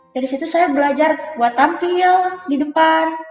dari situ saya belajar buat tampil di depan